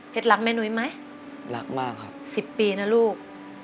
รักแม่นุ้ยไหมรักมากครับสิบปีนะลูก